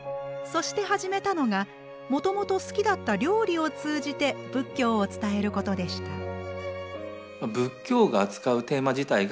そして始めたのがもともと好きだった料理を通じて仏教を伝えることでした。